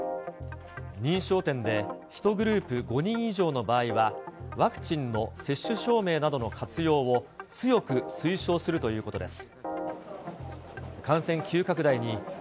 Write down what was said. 認証店で、１グループ５人以上の場合は、ワクチンの接種証明などの活用を強く推奨するということです。